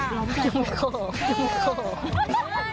ยุ่งโข่ยุ่งโข่